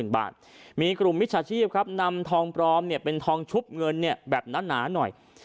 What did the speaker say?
๓๐๐๐๐บาทมีกลุ่มมิชชาชีพนำทองปลอมเป็นทองชุบเงินแบบนั้นหนาหน่อย